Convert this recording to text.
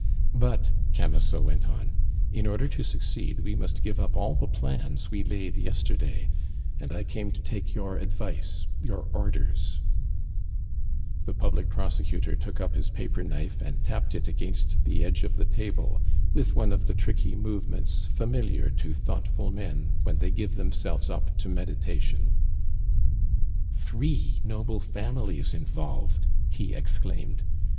"But," Camusot went on, "in order to succeed, we must give up all the plans we laid yesterday, and I came to take your advice your orders " The public prosecutor took up his paper knife and tapped it against the edge of the table with one of the tricky movements familiar to thoughtful men when they give themselves up to meditation. "Three noble families involved!" he exclaimed.